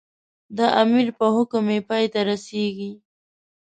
د امیر په حکم یې پای ته رسېږي.